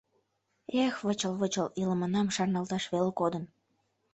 — Эх, вычыл-вычыл илымынам шарналташ веле кодын...